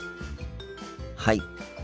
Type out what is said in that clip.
はい。